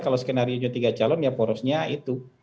kalau skenario tiga calon ya porosnya itu